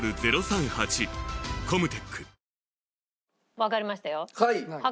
わかりましたよ。